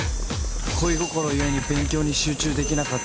恋心故に勉強に集中できなかったなんて。